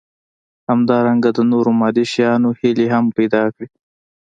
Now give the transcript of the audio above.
همدارنګه د نورو مادي شيانو هيلې هم پيدا کړي.